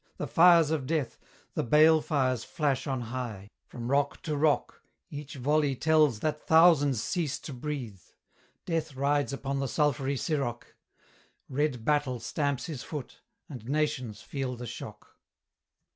the fires of death, The bale fires flash on high: from rock to rock Each volley tells that thousands cease to breathe: Death rides upon the sulphury Siroc, Red Battle stamps his foot, and nations feel the shock.